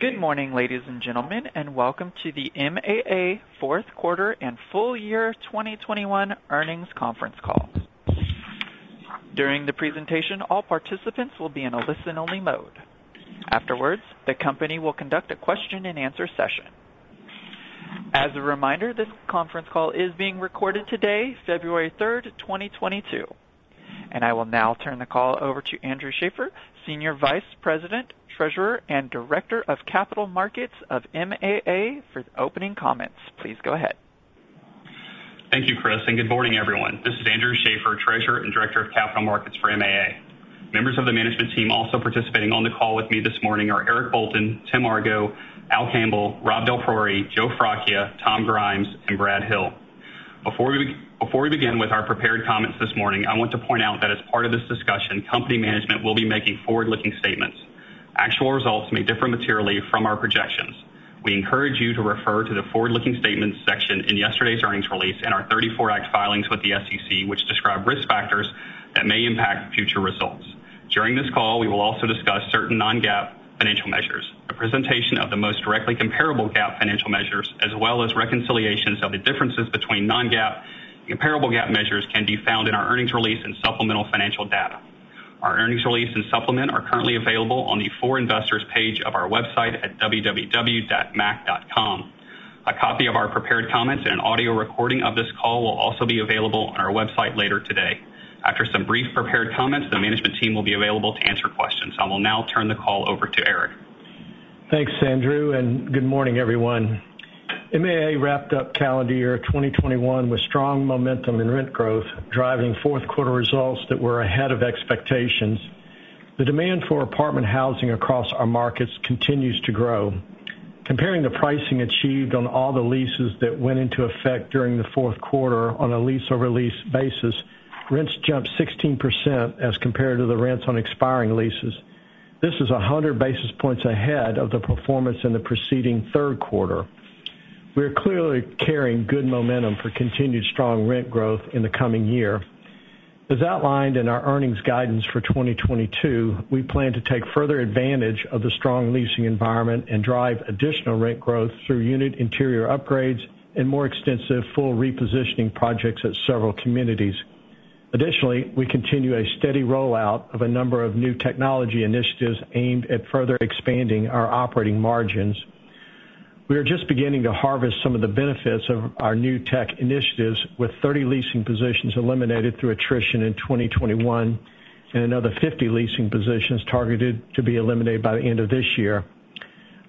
Good morning, ladies and gentlemen, and welcome to the MAA Fourth Quarter and Full Year 2021 Earnings Conference Call. During the presentation, all participants will be in a listen-only mode. Afterwards, the company will conduct a question-and-answer session. As a reminder, this conference call is being recorded today, February 3rd, 2022. I will now turn the call over to Andrew Schaeffer, Senior Vice President, Treasurer, and Director of Capital Markets of MAA for the opening comments. Please go ahead. Thank you, Chris, and good morning, everyone. This is Andrew Schaeffer, Treasurer and Director of Capital Markets for MAA. Members of the management team also participating on the call with me this morning are Eric Bolton, Tim Argo, Al Campbell, Rob DelPriore, Joe Fracchia, Tom Grimes, and Brad Hill. Before we begin with our prepared comments this morning, I want to point out that as part of this discussion, company management will be making forward-looking statements. Actual results may differ materially from our projections. We encourage you to refer to the forward-looking statements section in yesterday's earnings release and our 1934 Exchange Act filings with the SEC, which describe risk factors that may impact future results. During this call, we will also discuss certain non-GAAP financial measures. A presentation of the most directly comparable GAAP financial measures, as well as reconciliations of the differences between non-GAAP and comparable GAAP measures can be found in our earnings release and supplemental financial data. Our earnings release and supplement are currently available on the For Investors page of our website at www.maac.com. A copy of our prepared comments and an audio recording of this call will also be available on our website later today. After some brief prepared comments, the management team will be available to answer questions. I will now turn the call over to Eric. Thanks, Andrew, and good morning, everyone. MAA wrapped up calendar year 2021 with strong momentum and rent growth, driving fourth quarter results that were ahead of expectations. The demand for apartment housing across our markets continues to grow. Comparing the pricing achieved on all the leases that went into effect during the fourth quarter on a Lease-over-Lease basis, rents jumped 16% as compared to the rents on expiring leases. This is 100 basis points ahead of the performance in the preceding third quarter. We are clearly carrying good momentum for continued strong rent growth in the coming year. As outlined in our earnings guidance for 2022, we plan to take further advantage of the strong leasing environment and drive additional rent growth through unit interior upgrades and more extensive full repositioning projects at several communities. Additionally, we continue a steady rollout of a number of new technology initiatives aimed at further expanding our operating margins. We are just beginning to harvest some of the benefits of our new tech initiatives, with 30 leasing positions eliminated through attrition in 2021 and another 50 leasing positions targeted to be eliminated by the end of this year.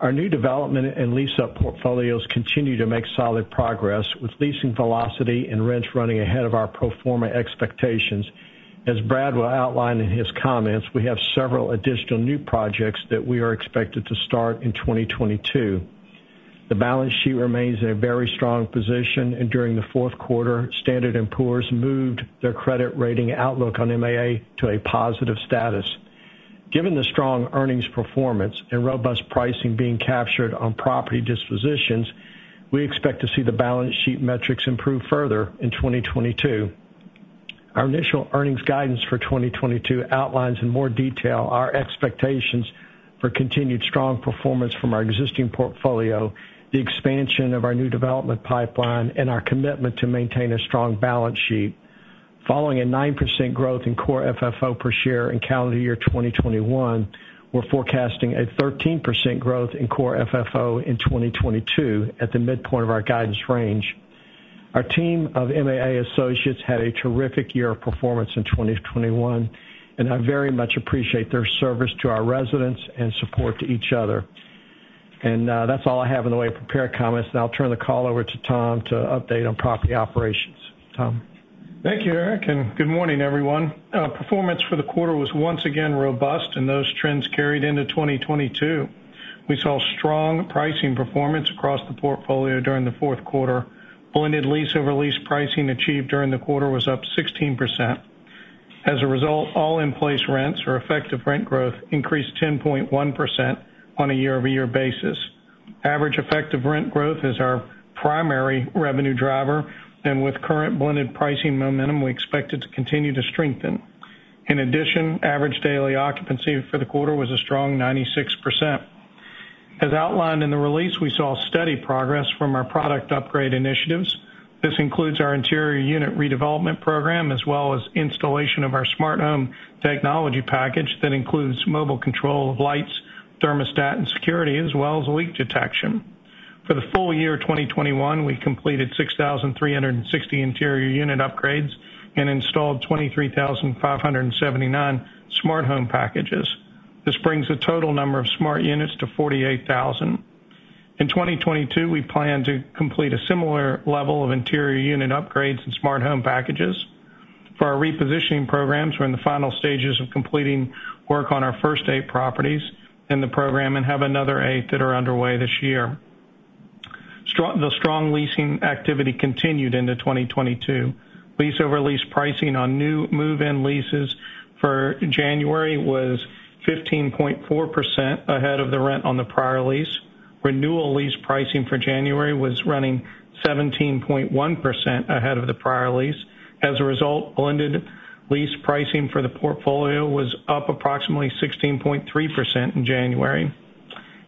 Our new development and lease-up portfolios continue to make solid progress, with leasing velocity and rents running ahead of our pro forma expectations. As Brad will outline in his comments, we have several additional new projects that we are expected to start in 2022. The balance sheet remains in a very strong position, and during the fourth quarter, Standard & Poor's moved their credit rating outlook on MAA to a positive status. Given the strong earnings performance and robust pricing being captured on property dispositions, we expect to see the balance sheet metrics improve further in 2022. Our initial earnings guidance for 2022 outlines in more detail our expectations for continued strong performance from our existing portfolio, the expansion of our new development pipeline, and our commitment to maintain a strong balance sheet. Following a 9% growth in core FFO per share in calendar year 2021, we're forecasting a 13% growth in core FFO in 2022 at the midpoint of our guidance range. Our team of MAA associates had a terrific year of performance in 2021, and I very much appreciate their service to our residents and support to each other. That's all I have in the way of prepared comments. Now I'll turn the call over to Tom to update on property operations. Tom. Thank you, Eric, and good morning, everyone. Performance for the quarter was once again robust, and those trends carried into 2022. We saw strong pricing performance across the portfolio during the fourth quarter. Blended Lease-over-Lease pricing achieved during the quarter was up 16%. As a result, all in-place rents or effective rent growth increased 10.1% on a year-over-year basis. Average effective rent growth is our primary revenue driver, and with current blended pricing momentum, we expect it to continue to strengthen. In addition, average daily occupancy for the quarter was a strong 96%. As outlined in the release, we saw steady progress from our product upgrade initiatives. This includes our interior unit redevelopment program, as well as installation of our Smart Home Technology package that includes mobile control of lights, thermostat, and security, as well as leak detection. For the full year 2021, we completed 6,360 interior unit upgrades and installed 23,579 smart home packages. This brings the total number of smart units to 48,000. In 2022, we plan to complete a similar level of interior unit upgrades and Smart Home packages. For our repositioning programs, we're in the final stages of completing work on our first eight properties in the program and have another eight that are underway this year. The strong leasing activity continued into 2022. Lease-over-lease pricing on new move-in leases for January was 15.4% ahead of the rent on the prior lease. Renewal lease pricing for January was running 17.1% ahead of the prior lease. As a result, blended Lease-over-Lease for the portfolio was up approximately 16.3% in January.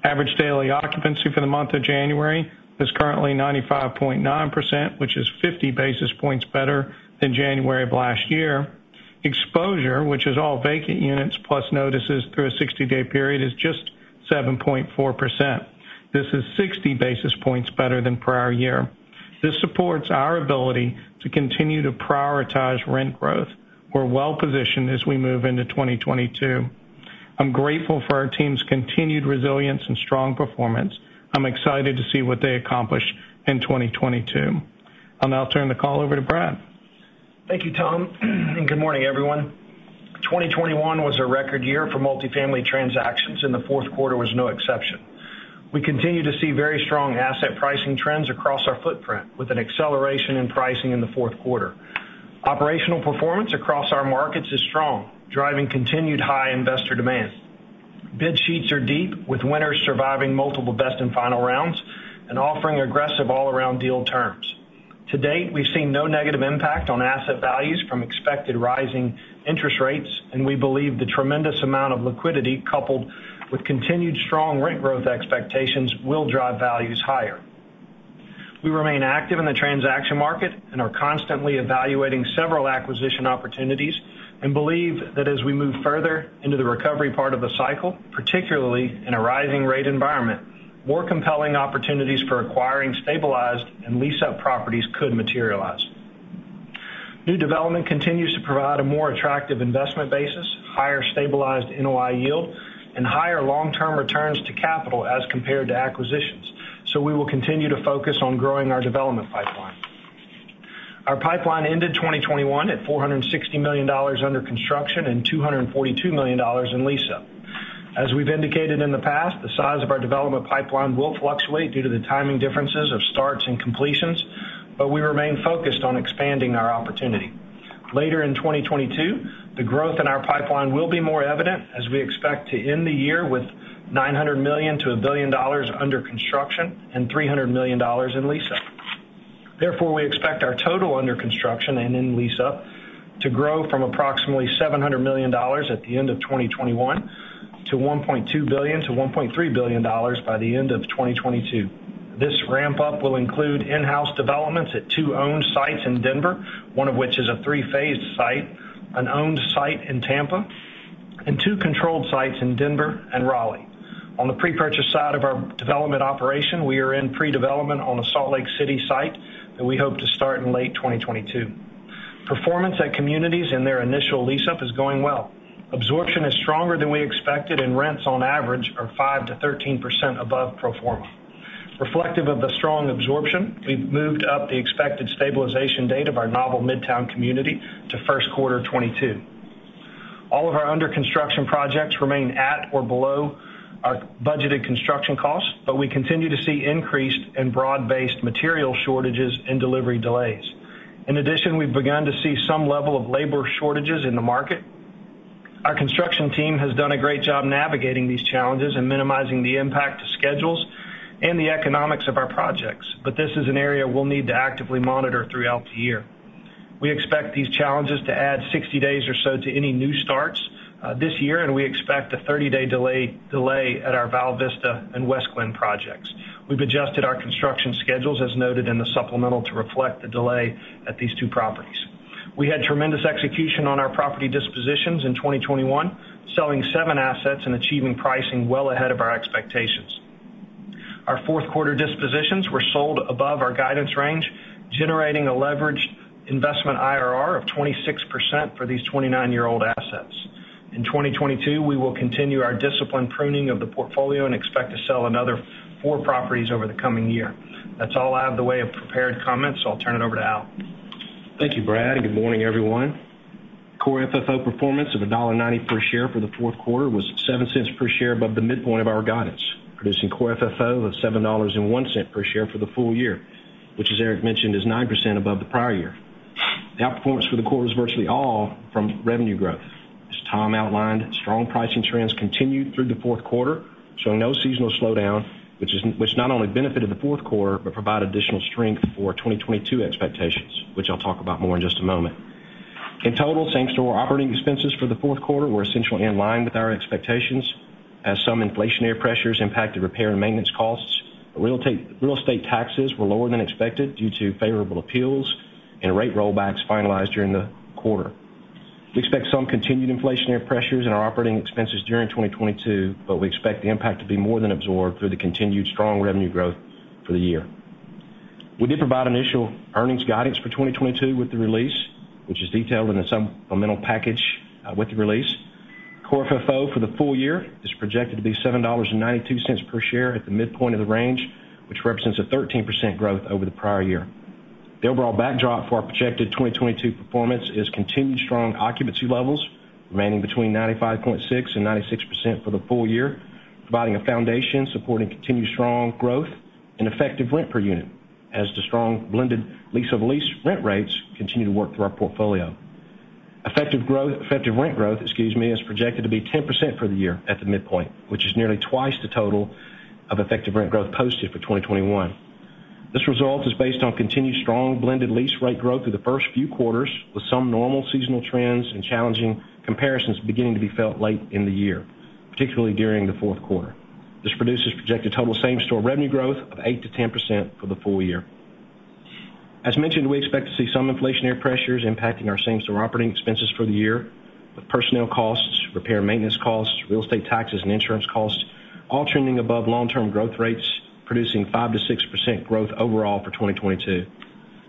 Average daily occupancy for the month of January is currently 95.9%, which is 50 basis points better than January of last year. Exposure, which is all vacant units plus notices through a 60-day period, is just 7.4%. This is 60 basis points better than prior year. This supports our ability to continue to prioritize rent growth. We're well-positioned as we move into 2022. I'm grateful for our team's continued resilience and strong performance. I'm excited to see what they accomplish in 2022. I'll now turn the call over to Brad. Thank you, Tom. Good morning, everyone. 2021 was a record year for multifamily transactions, and the fourth quarter was no exception. We continue to see very strong asset pricing trends across our footprint, with an acceleration in pricing in the fourth quarter. Operational performance across our markets is strong, driving continued high investor demand. Bid sheets are deep, with winners surviving multiple best and final rounds and offering aggressive all-around deal terms. To date, we've seen no negative impact on asset values from expected rising interest rates, and we believe the tremendous amount of liquidity, coupled with continued strong rent growth expectations, will drive values higher. We remain active in the transaction market and are constantly evaluating several acquisition opportunities and believe that as we move further into the recovery part of the cycle, particularly in a rising rate environment, more compelling opportunities for acquiring stabilized and leased-up properties could materialize. New development continues to provide a more attractive investment basis, higher stabilized NOI yield, and higher long-term returns to capital as compared to acquisitions, so we will continue to focus on growing our development pipeline. Our pipeline ended 2021 at $460 million under construction and $242 million in lease-up. As we've indicated in the past, the size of our development pipeline will fluctuate due to the timing differences of starts and completions, but we remain focused on expanding our opportunity. Later in 2022, the growth in our pipeline will be more evident, as we expect to end the year with $900 million-$1 billion under construction and $300 million in lease-up. Therefore, we expect our total under construction and in lease-up to grow from approximately $700 million at the end of 2021 to $1.2 billion-$1.3 billion by the end of 2022. This ramp-up will include in-house developments at two owned sites in Denver, one of which is a three-phased site, an owned site in Tampa, and two controlled sites in Denver and Raleigh. On the pre-purchase side of our development operation, we are in pre-development on a Salt Lake City site that we hope to start in late 2022. Performance at communities in their initial lease-up is going well. Absorption is stronger than we expected, and rents on average are 5%-13% above pro forma. Reflective of the strong absorption, we've moved up the expected stabilization date of our Novel Midtown community to first quarter 2022. All of our under-construction projects remain at or below our budgeted construction costs, but we continue to see increased and broad-based material shortages and delivery delays. In addition, we've begun to see some level of labor shortages in the market. Our construction team has done a great job navigating these challenges and minimizing the impact to schedules and the economics of our projects, but this is an area we'll need to actively monitor throughout the year. We expect these challenges to add 60 days or so to any new starts this year, and we expect a 30-day delay at our Val Vista and Westglenn projects. We've adjusted our construction schedules, as noted in the supplemental, to reflect the delay at these two properties. We had tremendous execution on our property dispositions in 2021, selling seven assets and achieving pricing well ahead of our expectations. Our fourth quarter dispositions were sold above our guidance range, generating a leveraged investment IRR of 26% for these 29-year-old assets. In 2022, we will continue our disciplined pruning of the portfolio and expect to sell another four properties over the coming year. That's all I have in the way of prepared comments. I'll turn it over to Al. Thank you, Brad, and good morning, everyone. Core FFO performance of $1.90 per share for the fourth quarter was $0.07 cents per share above the midpoint of our guidance, producing core FFO of $7.01 per share for the full year, which, as Eric mentioned, is 9% above the prior year. The outperformance for the quarter is virtually all from revenue growth. As Tom outlined, strong pricing trends continued through the fourth quarter, showing no seasonal slowdown, which not only benefited the fourth quarter, but provided additional strength for 2022 expectations, which I'll talk about more in just a moment. In total, thanks to our operating expenses for the fourth quarter, we're essentially in line with our expectations, as some inflationary pressures impacted repair and maintenance costs. Real estate taxes were lower than expected due to favorable appeals and rate rollbacks finalized during the quarter. We expect some continued inflationary pressures in our operating expenses during 2022, but we expect the impact to be more than absorbed through the continued strong revenue growth for the year. We did provide initial earnings guidance for 2022 with the release, which is detailed in the Supplemental Package, with the release. Core FFO for the full year is projected to be $7.92 per share at the midpoint of the range, which represents a 13% growth over the prior year. The overall backdrop for our projected 2022 performance is continued strong occupancy levels remaining between 95.6% and 96% for the full year, providing a foundation supporting continued strong growth and effective rent per unit as the strong blended Lease-over-Lease rent rates continue to work through our portfolio. Effective rent growth, excuse me, is projected to be 10% for the year at the midpoint, which is nearly twice the total of effective rent growth posted for 2021. This result is based on continued strong blended Lease-over-Lease rate growth through the first few quarters, with some normal seasonal trends and challenging comparisons beginning to be felt late in the year, particularly during the fourth quarter. This produces projected total same-store revenue growth of 8%-10% for the full year. As mentioned, we expect to see some inflationary pressures impacting our same-store operating expenses for the year, with Personnel costs, Repair and Maintenance costs, real estate taxes, and Insurance costs all trending above long-term growth rates, producing 5%-6% growth overall for 2022.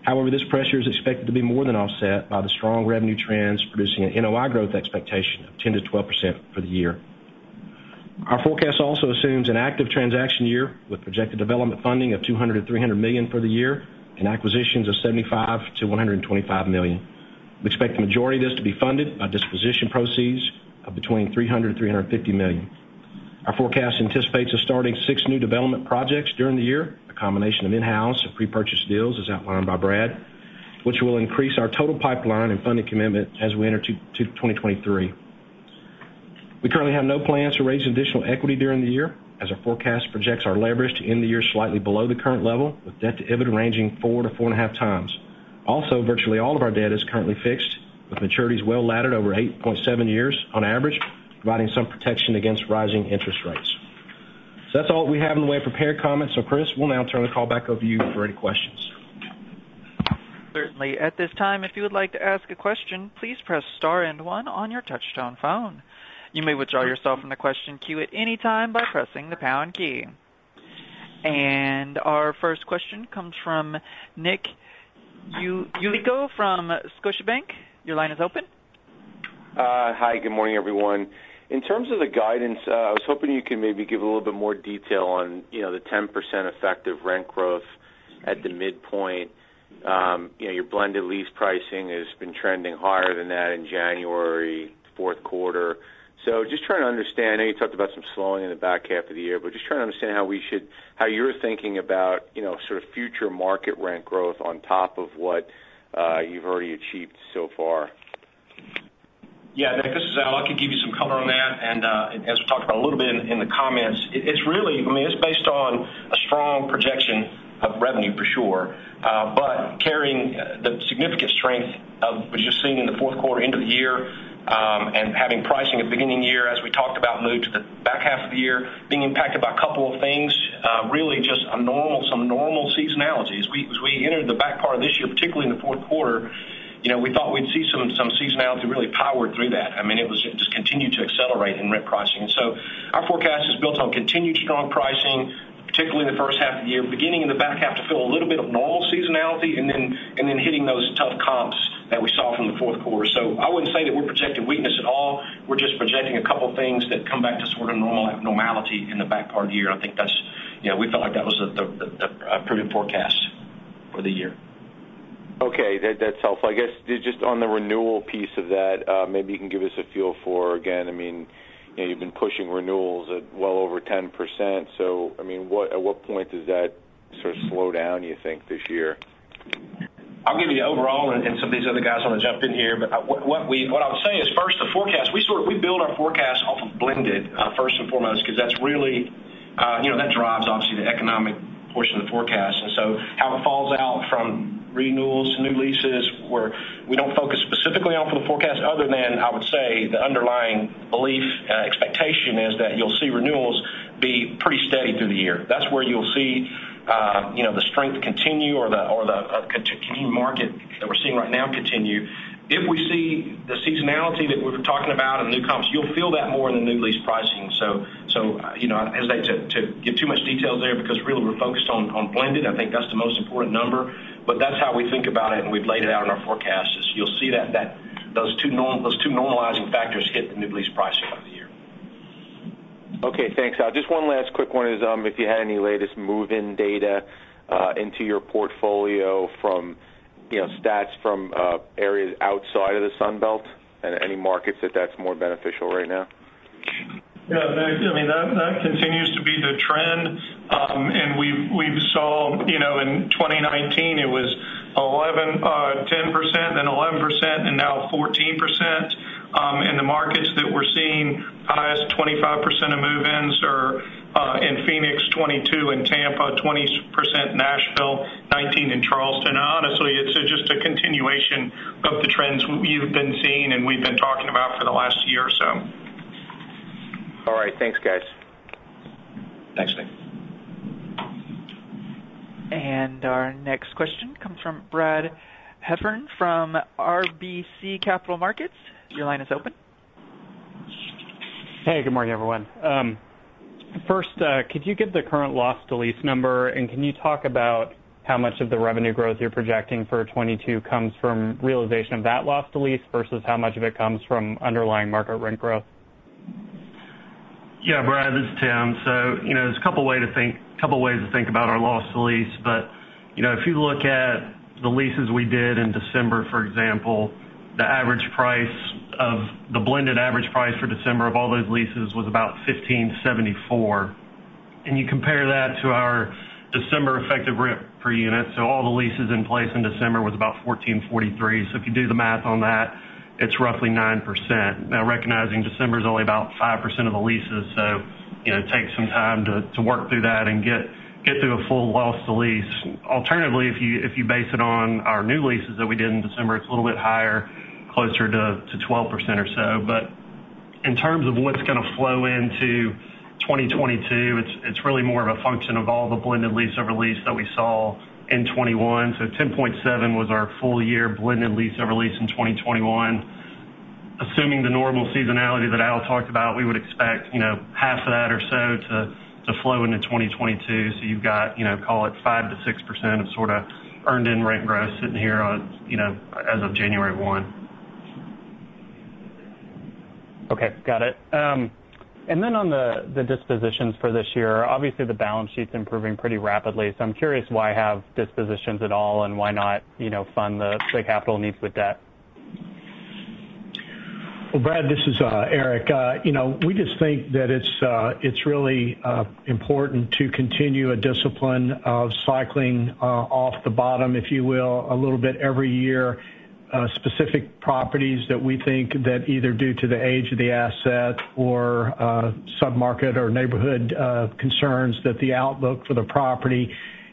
However, this pressure is expected to be more than offset by the strong revenue trends, producing an NOI growth expectation of 10%-12% for the year. Our forecast also assumes an active transaction year, with projected development funding of $200 million-$300 million for the year and acquisitions of $75 million-$125 million. We expect the majority of this to be funded by disposition proceeds of between $300 million and $350 million. Our forecast anticipates us starting six new development projects during the year, a combination of in-house and pre-purchase deals, as outlined by Brad, which will increase our total pipeline and funding commitment as we enter 2023. We currently have no plans to raise additional equity during the year, as our forecast projects our leverage to end the year slightly below the current level, with debt to EBITDA ranging 4x-4.5x. Also, virtually all of our debt is currently fixed, with maturities well-laddered over 8.7 years on average, providing some protection against rising interest rates. That's all we have in the way of prepared comments. Chris, we'll now turn the call back over to you for any questions. Certainly. At this time, if you would like to ask a question, please press star and one on your touchtone phone. You may withdraw yourself from the question queue at any time by pressing the pound key. Our first question comes from Nick Yulico from Scotiabank. Your line is open. Hi, good morning, everyone. In terms of the guidance, I was hoping you could maybe give a little bit more detail on, you know, the 10% effective rent growth at the midpoint. You know, your blended lease pricing has been trending higher than that in January, fourth quarter. Just trying to understand. I know you talked about some slowing in the back half of the year, but just trying to understand how you're thinking about, you know, sort of future market rent growth on top of what you've already achieved so far. Yeah, Nick, this is Al. I could give you some color on that. As we talked about a little bit in the comments, it's really. I mean, it's based on a strong projection of revenue for sure, but carrying the significant strength of what you're seeing in the fourth quarter, end of the year, and having pricing at the beginning of the year, as we talked about, move to the back half of the year, being impacted by a couple of things, really just some normal seasonality. As we entered the back part of this year, particularly in the fourth quarter, you know, we thought we'd see some seasonality really power through that. I mean, it just continued to accelerate in rent pricing. Our forecast is built on continued strong pricing, particularly in the first half of the year, beginning in the back half to feel a little bit of normal seasonality and then hitting those tough comps that we saw from the fourth quarter. I wouldn't say that we're projecting weakness at all. We're just projecting a couple things that come back to sort of normality in the back part of the year. I think that's. You know, we felt like that was a pretty good forecast for the year. Okay. That's helpful. I guess just on the renewal piece of that, maybe you can give us a feel for, again, I mean, you know, you've been pushing Renewals at well over 10%. I mean, at what point does that sort of slow down, you think, this year? I'll give you overall and some of these other guys want to jump in here. What I would say is, first, the forecast. We sort of build our forecast off of blended first and foremost, because that's really, you know, that drives obviously the economic portion of the forecast. How it falls out from Renewals to new leases, we don't focus specifically on for the forecast other than, I would say, the underlying belief. Expectation is that you'll see Renewals be pretty steady through the year. That's where you'll see, you know, the strength continue or the continuing market that we're seeing right now continue. If we see the seasonality that we're talking about in the new comps, you'll feel that more in the new lease pricing. You know, I'd hesitate to give too much details there because really we're focused on blended. I think that's the most important number. That's how we think about it, and we've laid it out in our forecast as you'll see that those two normalizing factors hit the new lease pricing for the year. Okay. Thanks, Al. Just one last quick one is, if you had any latest move-in data into your portfolio from, you know, stats from areas outside of the Sunbelt and any markets that that's more beneficial right now? Yeah. No, I mean, that continues to be the trend. We've seen, you know, in 2019 it was ten percent, then eleven percent, and now 14%. In the markets that we're seeing highest, 25% of Move-ins are in Phoenix, 22% in Tampa, 20% Nashville, 19% in Charleston. Honestly, it's just a continuation of the trends we've been seeing and we've been talking about for the last year or so. All right. Thanks, guys. Thanks, Nick. Our next question comes from Brad Heffern from RBC Capital Markets. Your line is open. Hey, good morning, everyone. First, could you give the current loss to lease number? Can you talk about how much of the revenue growth you're projecting for 2022 comes from realization of that loss to lease versus how much of it comes from underlying market rent growth? Yeah, Brad, this is Tim. You know, there's a couple ways to think about our loss to lease. You know, if you look at the leases we did in December, for example, the blended average price for December of all those leases was about $1,574. You compare that to our December effective rent per unit. All the leases in place in December was about $1,443. If you do the math on that, it's roughly 9%. Now, recognizing December is only about 5% of the leases, you know, it takes some time to work through that and get through a full loss to lease. Alternatively, if you base it on our new leases that we did in December, it's a little bit higher, closer to 12% or so. In terms of what's gonna flow into 2022, it's really more of a function of all the blended Lease-over-Lease that we saw in 2021. 10.7 was our full year blended Lease-over-Lease in 2021.Assuming the normal seasonality that Al talked about, we would expect, you know, half of that or so to flow into 2022. You've got, you know, call it 5%-6% of sorta earned in rent growth sitting here on, you know, as of January 1. Okay, got it. On the dispositions for this year, obviously, the balance sheet's improving pretty rapidly, so I'm curious why have dispositions at all and why not, you know, fund the capital needs with debt? Well, Brad, this is Eric. You know, we just think that it's really important to continue a discipline of cycling off the bottom, if you will, a little bit every year. Specific properties that we think that either due to the age of the asset or sub-market or neighborhood concerns that the outlook for the property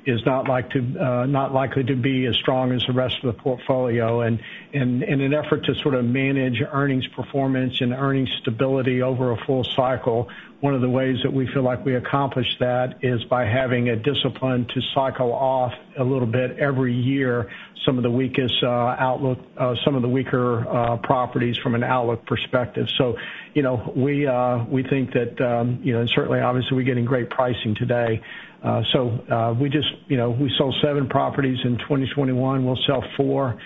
is not likely to be as strong as the rest of the portfolio. In an effort to sort of manage earnings performance and earnings stability over a full cycle, one of the ways that we feel like we accomplish that is by having a discipline to cycle off a little bit every year, some of the weaker properties from an outlook perspective. You know, we think that, you know, and certainly, obviously, we're getting great pricing today. We just, you know, we sold seven properties in 2021.We'll sell four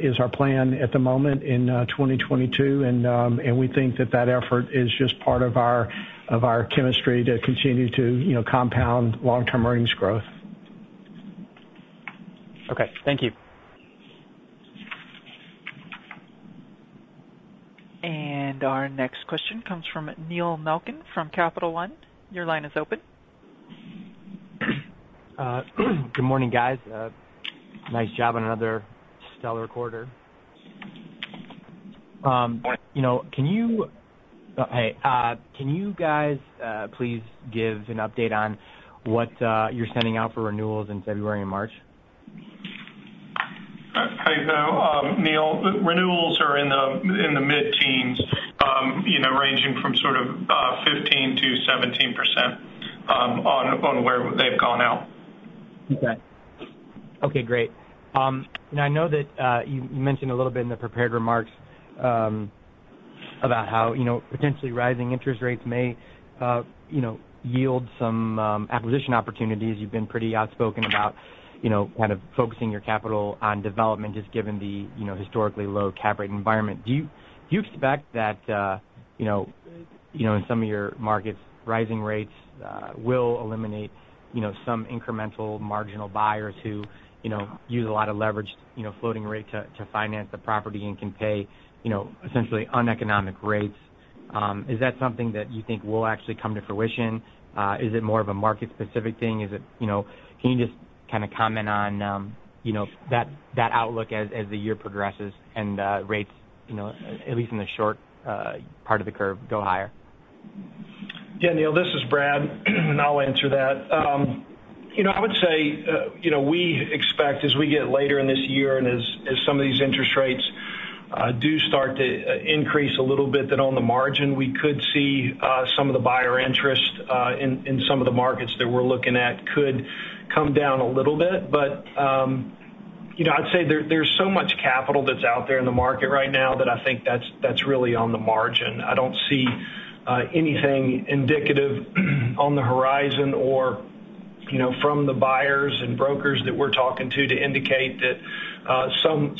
is our plan at the moment in 2022, and we think that that effort is just part of our chemistry to continue to, you know, compound long-term earnings growth. Okay, thank you. Our next question comes from Neil Malkin from Capital One. Your line is open. Good morning, guys. Nice job on another stellar quarter. You know, can you guys please give an update on what you're sending out for Renewals in February and March? Hey, Neil. Renewals are in the mid-teens, you know, ranging from sort of 15%-17% on where they've gone out. Okay, great. Now, I know that you mentioned a little bit in the prepared remarks about how, you know, potentially rising interest rates may, you know, yield some acquisition opportunities. You've been pretty outspoken about, you know, kind of focusing your capital on development, just given the, you know, historically low cap rate environment. Do you expect that, you know, in some of your markets, rising rates will eliminate, you know, some incremental marginal buyers who, you know, use a lot of leverage, you know, floating rate to finance the property and can pay, you know, essentially uneconomic rates? Is that something that you think will actually come to fruition? Is it more of a market specific thing? Is it, you know, can you just kinda comment on, you know, that outlook as the year progresses and rates, you know, at least in the short part of the curve go higher? Yeah, Neil, this is Brad. I'll answer that. You know, I would say, you know, we expect, as we get later in this year and as some of these interest rates do start to increase a little bit, that on the margin, we could see some of the buyer interest in some of the markets that we're looking at could come down a little bit. You know, I'd say there's so much capital that's out there in the market right now that I think that's really on the margin. I don't see anything indicative on the horizon or, you know, from the buyers and brokers that we're talking to to indicate that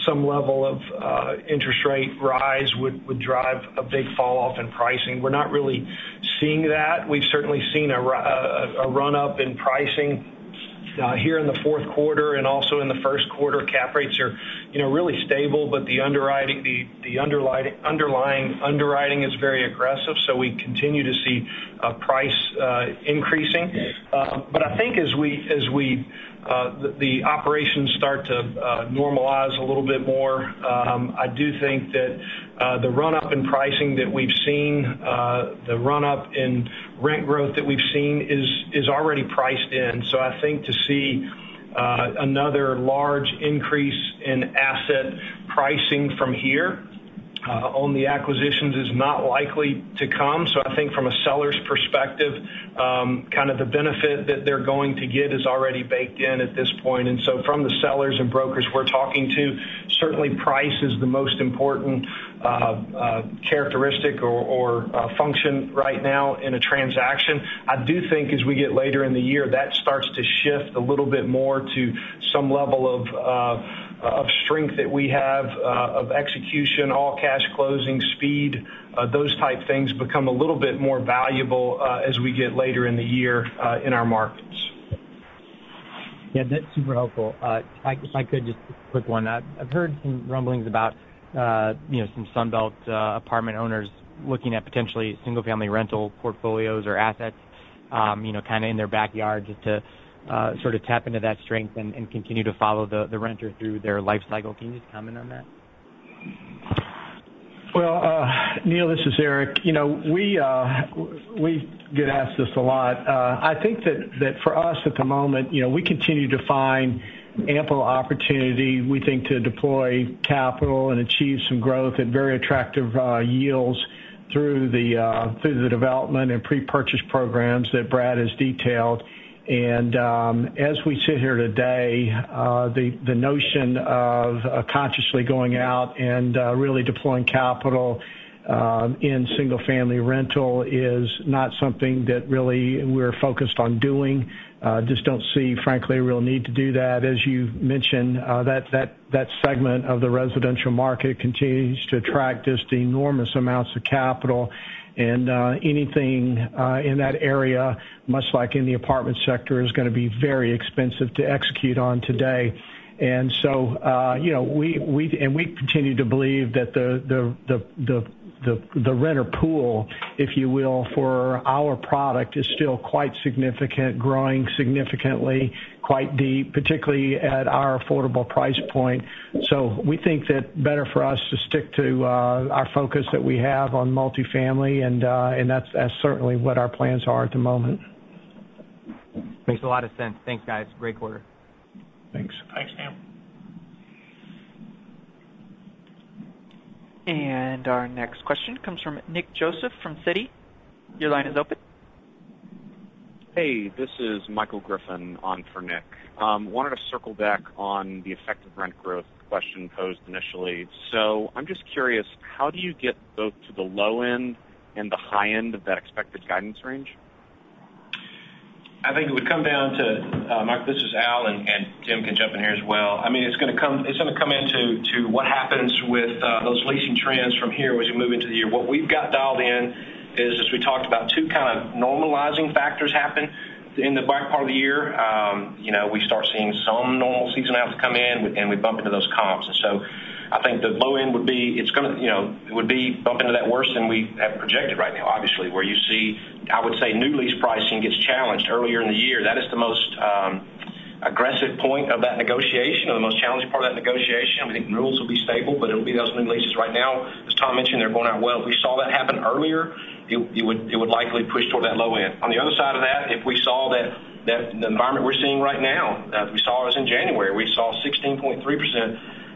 some level of interest rate rise would drive a big fall off in pricing. We're not really seeing that. We've certainly seen a run up in pricing here in the fourth quarter and also in the first quarter. Cap rates are, you know, really stable, but the underwriting, the underlying underwriting is very aggressive, so we continue to see pricing increasing. I think as the operations start to normalize a little bit more, I do think that the run up in pricing that we've seen, the run up in rent growth that we've seen is already priced in. I think to see another large increase in asset pricing from here on the acquisitions is not likely to come. I think from a seller's perspective kind of the benefit that they're going to get is already baked in at this point. From the sellers and brokers we're talking to, certainly price is the most important characteristic or function right now in a transaction. I do think as we get later in the year, that starts to shift a little bit more to some level of strength that we have of execution, all cash closing speed, those type things become a little bit more valuable as we get later in the year in our markets. Yeah, that's super helpful. If I could, just a quick one. I've heard some rumblings about, you know, some Sunbelt apartment owners looking at potentially single-family rental portfolios or assets, you know, kind of in their backyard just to sort of tap into that strength and continue to follow the renter through their life cycle. Can you just comment on that? Well, Neil, this is Eric. You know, we get asked this a lot. I think that for us at the moment, you know, we continue to find ample opportunity, we think, to deploy capital and achieve some growth at very attractive yields through the Development and pre-purchase programs that Brad has detailed. As we sit here today, the notion of consciously going out and really deploying capital in single-family rental is not something that really we're focused on doing. Just don't see, frankly, a real need to do that. As you mentioned, that segment of the residential market continues to attract just enormous amounts of capital. Anything in that area, much like in the apartment sector, is gonna be very expensive to execute on today. You know we continue to believe that the renter pool, if you will, for our product is still quite significant, growing significantly, quite deep, particularly at our affordable price point. We think that better for us to stick to our focus that we have on multifamily, and that's certainly what our plans are at the moment. Makes a lot of sense. Thanks, guys. Great quarter. Thanks. Thanks, Neil. Our next question comes from Nick Joseph from Citi. Your line is open. Hey, this is Michael Griffin on for Nick. Wanted to circle back on the effective rent growth question posed initially. I'm just curious, how do you get both to the low end and the high end of that expected guidance range? I think it would come down to Mike, this is Al, and Tim can jump in here as well. I mean, it's gonna come into what happens with those leasing trends from here as you move into the year. What we've got dialed in is, as we talked about, two kind of normalizing factors happen in the back part of the year. You know, we start seeing some normal seasonality come in, and we bump into those comps. I think the low end would be, it's gonna, you know, it would be bump into that worse than we have projected right now, obviously, where you see, I would say new lease pricing gets challenged earlier in the year. That is the most aggressive point of that negotiation or the most challenging part of that negotiation. We think Renewals will be stable, but it'll be those new leases. Right now, as Tom mentioned, they're going out well. If we saw that happen earlier, it would likely push toward that low end. On the other side of that, if we saw that the environment we're seeing right now, if we saw this in January, we saw 16.3%,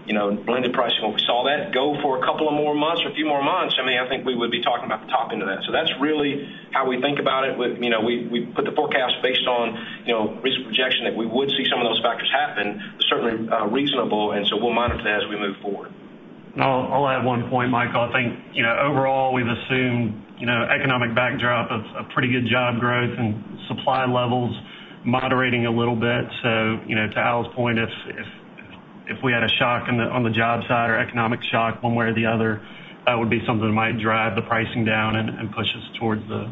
you know, blended pricing, when we saw that go for a couple of more months or a few more months, I mean, I think we would be talking about the top end of that. That's really how we think about it. With, you know, we put the forecast based on, you know, recent projection that we would see some of those factors happen. It's certainly reasonable, and so we'll monitor that as we move forward. I'll add one point, Michael. I think, you know, overall we've assumed, you know, economic backdrop of pretty good job growth and supply levels moderating a little bit. You know, to Al's point, if we had a shock on the job side or economic shock one way or the other, that would be something that might drive the pricing down and push us towards the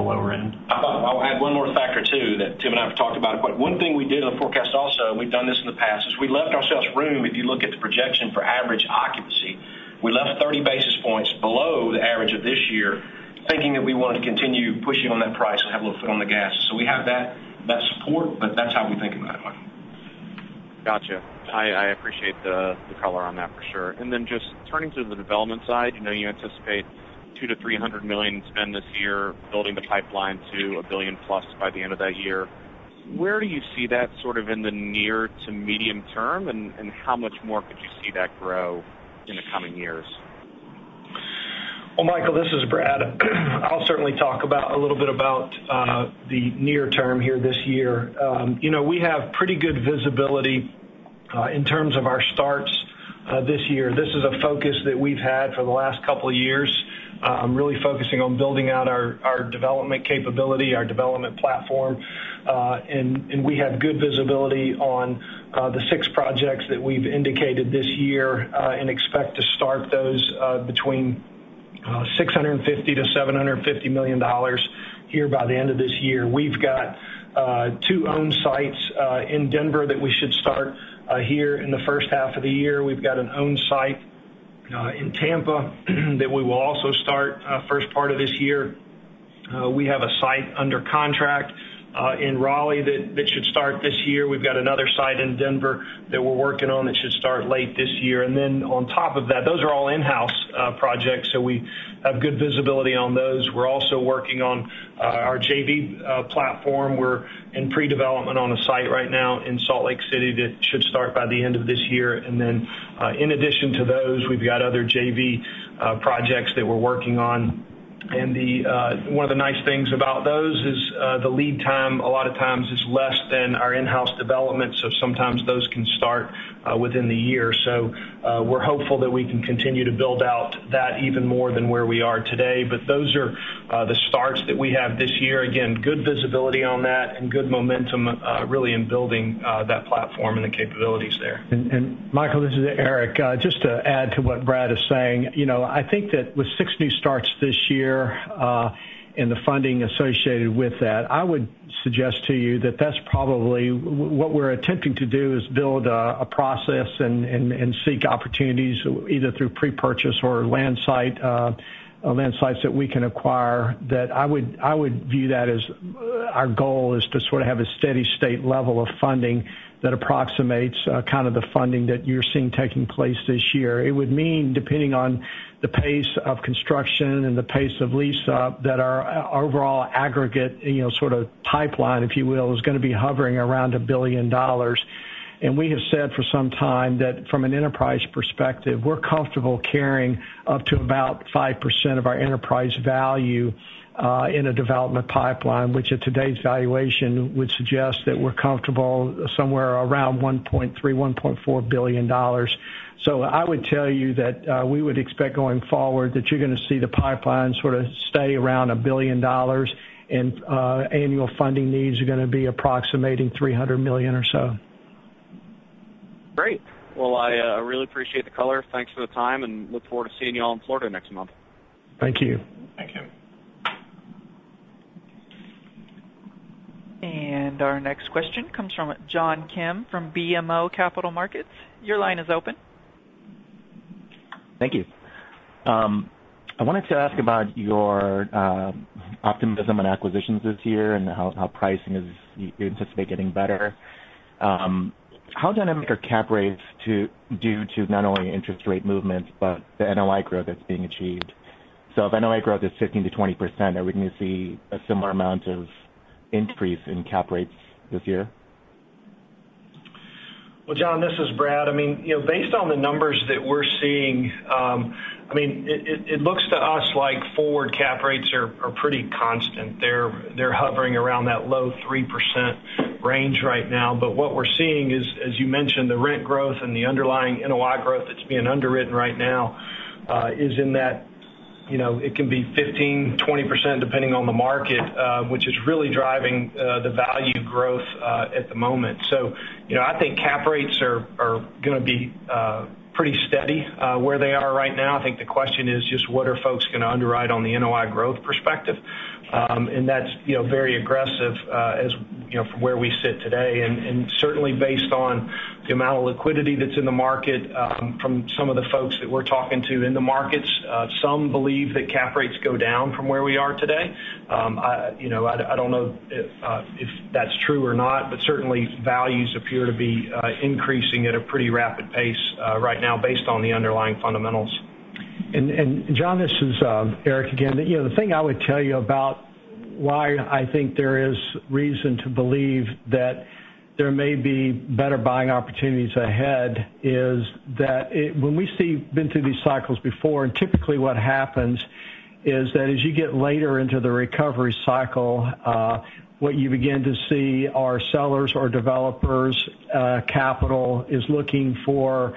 lower end. I'll add one more factor too that Tim and I have talked about. One thing we did in the forecast also, and we've done this in the past, is we left ourselves room, if you look at the projection for average occupancy, we left 30 basis points below the average of this year, thinking that we wanted to continue pushing on that price and have a little foot on the gas. We have that support, but that's how we think about it, Michael. Gotcha. I appreciate the color on that for sure. Just turning to the development side, I know you anticipate $200 million-$300 million spend this year building the pipeline to $1 billion + by the end of that year. Where do you see that sort of in the near to medium term, and how much more could you see that grow in the coming years? Well, Michael, this is Brad. I'll certainly talk about a little bit about the near term here this year. You know, we have pretty good visibility in terms of our starts this year. This is a focus that we've had for the last couple of years, really focusing on building out our development capability, our development platform. We have good visibility on the six projects that we've indicated this year and expect to start those between $650 million-$750 million here by the end of this year. We've got two owned sites in Denver that we should start here in the first half of the year. We've got an owned site in Tampa that we will also start first part of this year. We have a site under contract in Raleigh that should start this year. We've got another site in Denver that we're working on that should start late this year. On top of that, those are all in-house projects, so we have good visibility on those. We're also working on our JV platform. We're in pre-development on a site right now in Salt Lake City that should start by the end of this year. In addition to those, we've got other JV projects that we're working on. The one of the nice things about those is the lead time a lot of times is less than our in-house development, so sometimes those can start within the year. We're hopeful that we can continue to build out that even more than where we are today. Those are the starts that we have this year. Again, good visibility on that and good momentum really in building that platform and the capabilities there. Michael, this is Eric. Just to add to what Brad is saying, you know, I think that with six new starts this yearThe funding associated with that. I would suggest to you that that's probably what we're attempting to do is build a process and seek opportunities either through pre-purchase or land sites that we can acquire. I would view that as our goal is to sort of have a steady state level of funding that approximates kind of the funding that you're seeing taking place this year. It would mean, depending on the pace of construction and the pace of lease up, that our overall aggregate, you know, sort of pipeline, if you will, is gonna be hovering around $1 billion. We have said for some time that from an enterprise perspective, we're comfortable carrying up to about 5% of our enterprise value in a development pipeline, which at today's valuation would suggest that we're comfortable somewhere around $1.3 billion-$1.4 billion. I would tell you that we would expect going forward that you're gonna see the pipeline sort of stay around $1 billion, and annual funding needs are gonna be approximating $300 million or so. Great. Well, I really appreciate the color. Thanks for the time, and I look forward to seeing you all in Florida next month. Thank you. Thank you. Our next question comes from John Kim from BMO Capital Markets. Your line is open. Thank you. I wanted to ask about your optimism and acquisitions this year and how pricing is, you anticipate, getting better. How dynamic are cap rates due to not only interest rate movements but the NOI growth that's being achieved? If NOI growth is 15%-20%, are we gonna see a similar amount of increase in cap rates this year? Well, John, this is Brad. I mean, you know, based on the numbers that we're seeing, I mean, it looks to us like forward cap rates are pretty constant. They're hovering around that low 3% range right now. But what we're seeing is, as you mentioned, the rent growth and the underlying NOI growth that's being underwritten right now, is in that, you know, it can be 15%-20% depending on the market, which is really driving the value growth at the moment. You know, I think cap rates are gonna be pretty steady where they are right now. I think the question is just what are folks gonna underwrite on the NOI growth perspective? That's, you know, very aggressive, as you know, from where we sit today. Certainly based on the amount of liquidity that's in the market, from some of the folks that we're talking to in the markets, some believe that cap rates go down from where we are today. I, you know, don't know if that's true or not, but certainly values appear to be increasing at a pretty rapid pace right now based on the underlying fundamentals. John, this is Eric again. You know, the thing I would tell you about why I think there is reason to believe that there may be better buying opportunities ahead is that we've been through these cycles before, and typically what happens is that as you get later into the recovery cycle, what you begin to see are sellers or developers, capital looking for,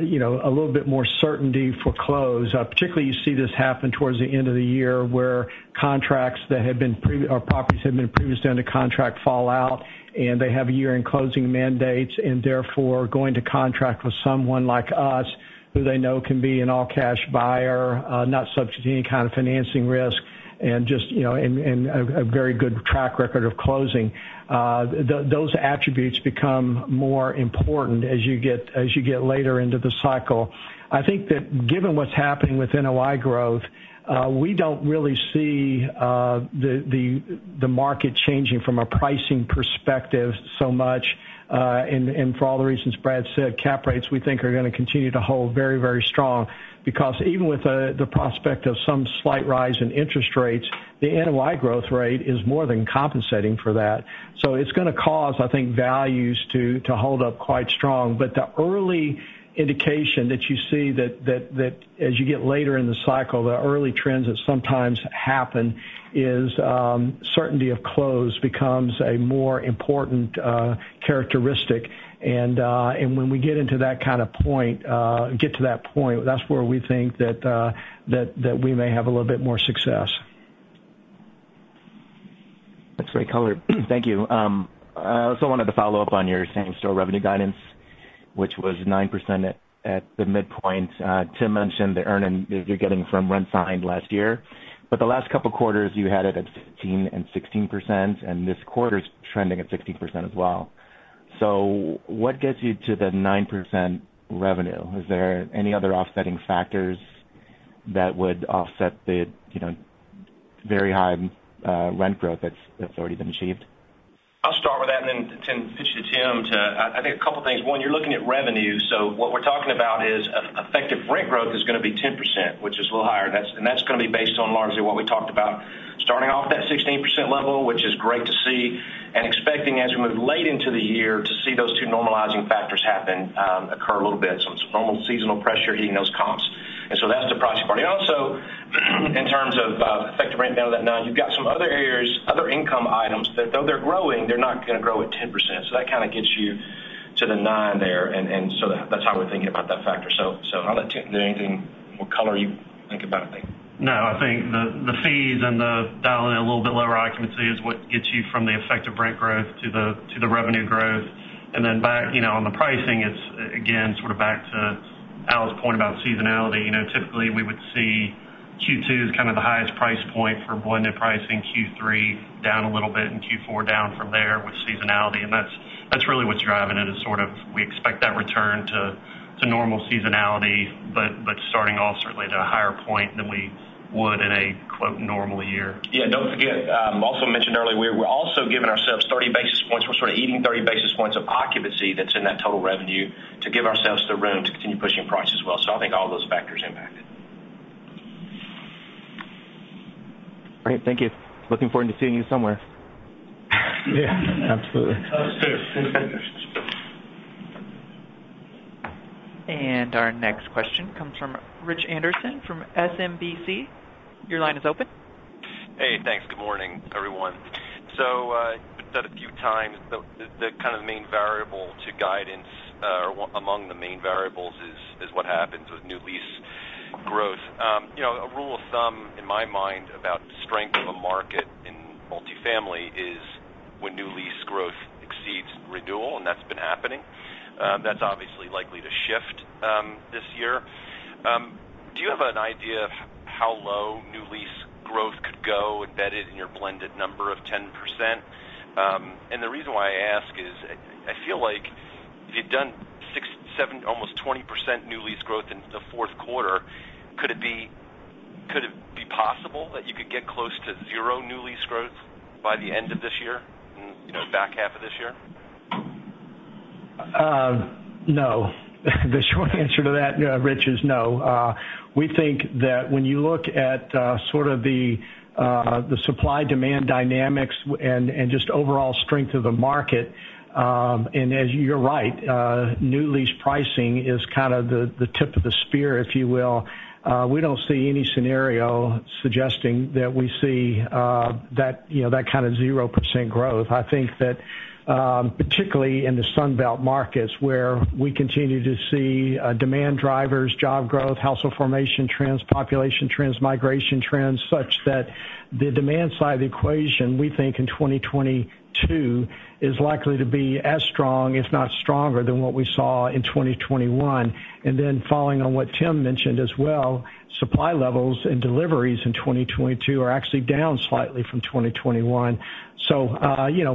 you know, a little bit more certainty to close. Particularly, you see this happen towards the end of the year where contracts that have been or properties that have been previously under contract fall out and they have a year in closing mandates, and therefore going to contract with someone like us who they know can be an all-cash buyer, not subject to any kind of financing risk and just, you know, a very good track record of closing. Those attributes become more important as you get later into the cycle. I think that given what's happening with NOI growth, we don't really see the market changing from a pricing perspective so much. For all the reasons Brad said, cap rates we think are gonna continue to hold very, very strong because even with the prospect of some slight rise in interest rates, the NOI growth rate is more than compensating for that. It's gonna cause, I think, values to hold up quite strong. The early indication that you see that as you get later in the cycle, the early trends that sometimes happen is certainty of close becomes a more important characteristic. When we get into that kind of point, get to that point, that's where we think that we may have a little bit more success. That's great color. Thank you. I also wanted to follow up on your same-store revenue guidance, which was 9% at the midpoint. Tim mentioned that you're getting from rents signed last year. The last couple of quarters, you had it at 15% and 16%, and this quarter's trending at 16% as well. What gets you to the 9% revenue? Is there any other offsetting factors that would offset the, you know, very high rent growth that's already been achieved? I'll start with that and then pitch to Tim. I think a couple things. One, you're looking at revenue, so what we're talking about is effective rent growth is gonna be 10%, which is a little higher. That's gonna be based on largely what we talked about, starting off that 16% level, which is great to see, and expecting as we move late into the year to see those two normalizing factors happen, occur a little bit. Some normal seasonal pressure hitting those comps. That's the pricing part. Also, in terms of effective rent down to that 9%, you've got some other areas, other income items that though they're growing, they're not gonna grow at 10%. That kinda gets you to the 9% there. That's how we're thinking about that factor. I'll let Tim. Is there anything? What color you think about it? No, I think the fees and the dialing it a little bit. Occupancy is what gets you from the effective rent growth to the revenue growth. Then back, you know, on the pricing, it's again, sort of back to Al's point about seasonality. You know, typically we would see Q2 as kind of the highest price point for blended pricing, Q3 down a little bit, and Q4 down from there with seasonality. That's really what's driving it, is sort of we expect that return to normal seasonality, but starting off certainly at a higher point than we would in a, quote, "normal year. Yeah. Don't forget, also mentioned earlier, we're also giving ourselves 30 basis points. We're sort of eating 30 basis points of occupancy that's in that total revenue to give ourselves the room to continue pushing price as well. I think all those factors impact. All right. Thank you. Looking forward to seeing you somewhere. Yeah, absolutely. Oh, sure. Our next question comes from Richard Anderson from SMBC. Your line is open. Hey, thanks. Good morning, everyone. You've said a few times the kind of main variable to guidance, or among the main variables is what happens with new lease growth. You know, a rule of thumb in my mind about strength of a market in multifamily is when new lease growth exceeds renewal, and that's been happening. That's obviously likely to shift this year. Do you have an idea of how low new lease growth could go embedded in your blended number of 10%? The reason why I ask is I feel like if you'd done six, seven, almost 20% new lease growth in the fourth quarter, could it be possible that you could get close to zero new lease growth by the end of this year in, you know, the back half of this year? No. The short answer to that, Rich, is no. We think that when you look at sort of the supply-demand dynamics and just overall strength of the market, and as you're right, new lease pricing is kind of the tip of the spear, if you will. We don't see any scenario suggesting that we see that you know that kind of 0% growth. I think that particularly in the Sunbelt markets where we continue to see demand drivers, job growth, household formation trends, population trends, migration trends such that the demand side of the equation, we think in 2022 is likely to be as strong, if not stronger than what we saw in 2021. Following on what Tim mentioned as well, supply levels and deliveries in 2022 are actually down slightly from 2021.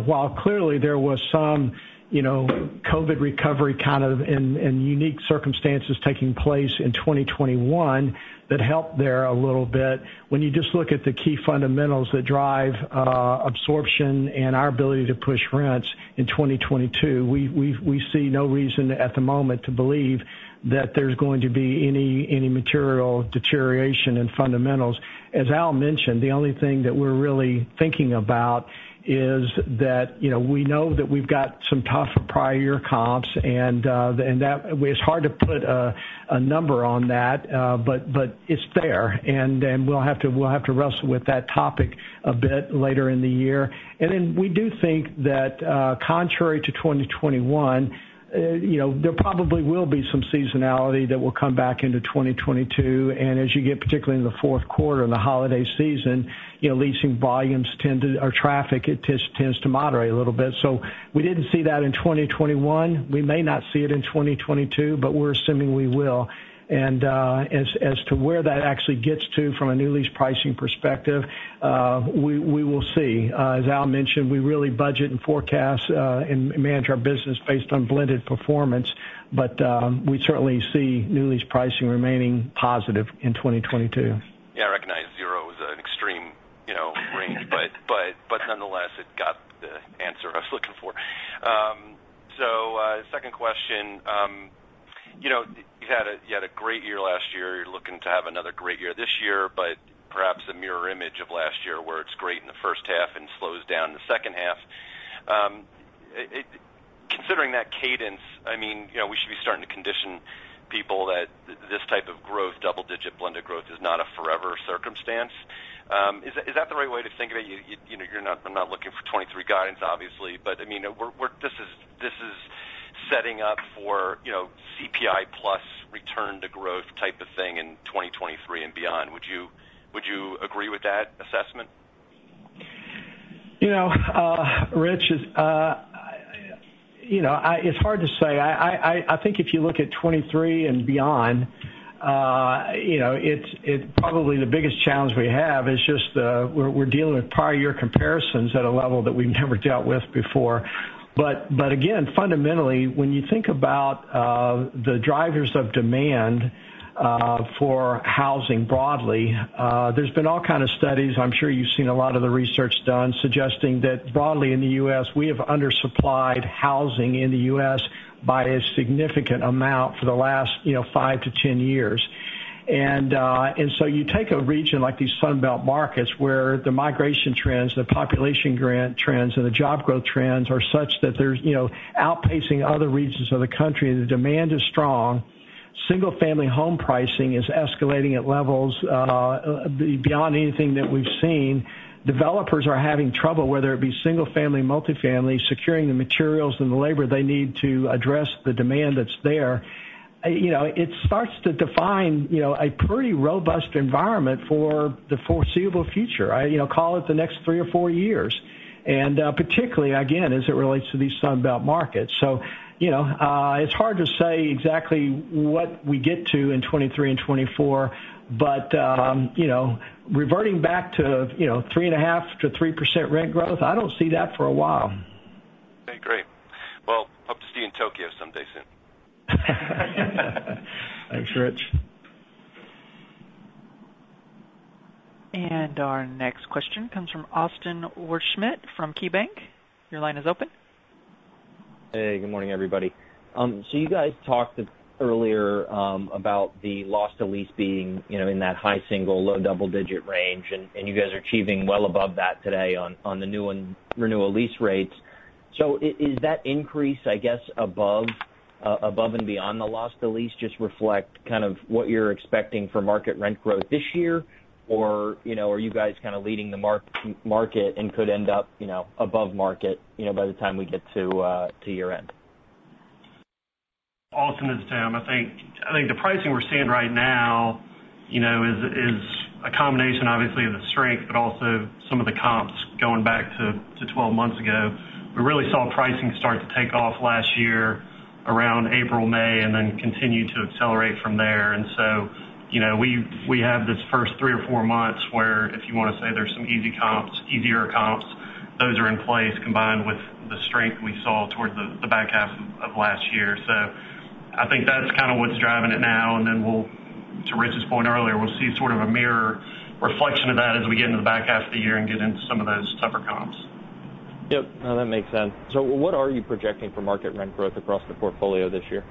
While clearly there was some COVID recovery kind of and unique circumstances taking place in 2021 that helped there a little bit, when you just look at the key fundamentals that drive absorption and our ability to push rents in 2022, we see no reason at the moment to believe that there's going to be any material deterioration in fundamentals. As Al mentioned, the only thing that we're really thinking about is that we know that we've got some tough prior year comps and that it's hard to put a number on that, but it's there. Then we'll have to wrestle with that topic a bit later in the year. We do think that, contrary to 2021, you know, there probably will be some seasonality that will come back into 2022. As you get particularly in the fourth quarter and the holiday season, you know, leasing volumes tend to or traffic, it tends to moderate a little bit. We didn't see that in 2021. We may not see it in 2022, but we're assuming we will. As to where that actually gets to from a new lease pricing perspective, we will see. As Al mentioned, we really budget and forecast and manage our business based on blended performance, but we certainly see new lease pricing remaining positive in 2022. Yeah, I recognize zero is an extreme, you know, range. Nonetheless, it got the answer I was looking for. Second question. You know, you had a great year last year. You're looking to have another great year this year, but perhaps a mirror image of last year where it's great in the first half and slows down in the second half. Considering that cadence, I mean, you know, we should be starting to condition people that this type of growth, double-digit blended growth, is not a forever circumstance. Is that the right way to think of it? You're not. I'm not looking for 2023 guidance obviously, but I mean, we're. This is setting up for, you know, CPI plus return to growth type of thing in 2023 and beyond. Would you agree with that assessment? You know, Rich, you know, It's hard to say. I think if you look at 2023 and beyond, you know, it's probably the biggest challenge we have is just we're dealing with prior year comparisons at a level that we've never dealt with before. Again, fundamentally, when you think about the drivers of demand for housing broadly, there's been all kind of studies, I'm sure you've seen a lot of the research done suggesting that broadly in the U.S., we have undersupplied housing in the U.S. by a significant amount for the last, you know, 5-10 years. You take a region like these Sunbelt markets where the migration trends, the population growth trends, and the job growth trends are such that they're, you know, outpacing other regions of the country. The demand is strong. Single-family home pricing is escalating at levels beyond anything that we've seen. Developers are having trouble, whether it be single-family, multifamily, securing the materials and the labor they need to address the demand that's there. You know, it starts to define, you know, a pretty robust environment for the foreseeable future. I, you know, call it the next three or four years, and particularly again, as it relates to these Sunbelt markets. You know, it's hard to say exactly what we get to in 2023 and 2024, but, you know, reverting back to, you know, 3.5%-3% rent growth, I don't see that for a while. Okay, great. Well, I hope to see you in Tokyo someday soon. Thanks, Rich. Our next question comes from Austin Wurschmidt from KeyBanc. Your line is open. Hey, good morning, everybody. You guys talked earlier about the loss to lease being, you know, in that high single, low double-digit range, and you guys are achieving well above that today on the new and renewal lease rates. Is that increase, I guess, above and beyond the loss to lease just reflect kind of what you're expecting for market rent growth this year? Or, you know, are you guys kind of leading the market and could end up, you know, above market, you know, by the time we get to year-end? Austin, this is Tim. I think the pricing we're seeing right now, you know, is a combination obviously of the strength, but also some of the comps going back to 12 months ago. We really saw pricing start to take off last year around April, May, and then continue to accelerate from there. You know, we have this first three or four months where if you wanna say there's some easy comps, easier comps, those are in place combined with the strength we saw towards the back half of last year. I think that's kind of what's driving it now, and then, to Rich's point earlier, we'll see sort of a mirror reflection of that as we get into the back half of the year and get into some of those tougher comps. Yep. No, that makes sense. What are you projecting for market rent growth across the portfolio this year?